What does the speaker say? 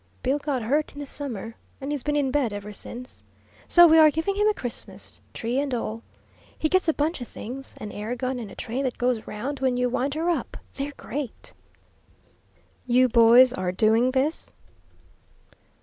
Bill got hurt in the summer, and he's been in bed ever since. So we are giving him a Christmas tree and all. He gets a bunch of things an air gun, and a train that goes around when you wind her up. They're great!" "You boys are doing this?"